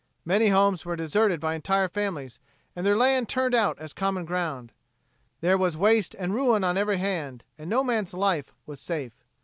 Many homes were deserted by entire families and their land turned out as common ground. There was waste and ruin on every hand, and no man's life was safe.